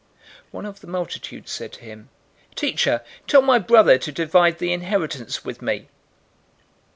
012:013 One of the multitude said to him, "Teacher, tell my brother to divide the inheritance with me."